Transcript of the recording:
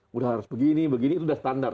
udah harus begini begini itu sudah standar